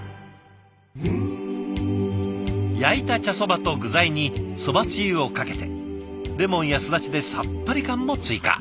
焼いた茶そばと具材にそばつゆをかけてレモンやすだちでさっぱり感も追加。